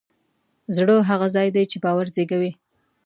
زړه هغه ځای دی چې باور زېږوي.